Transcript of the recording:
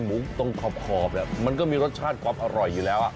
หมูตรงขอบมันก็มีรสชาติความอร่อยอยู่แล้ว